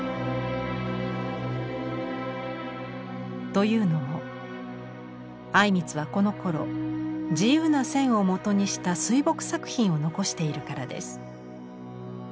というのも靉光はこのころ自由な線をもとにした水墨作品を残しているからです。